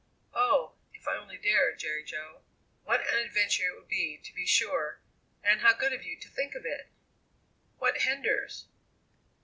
"Oh! if I only dared, Jerry Jo! What an adventure it would be, to be sure. And how good of you to think of it." "What hinders?"